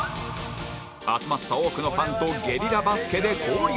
集まった多くのファンとゲリラバスケで交流